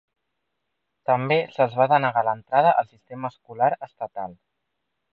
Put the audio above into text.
També se'ls va denegar l'entrada al sistema escolar estatal.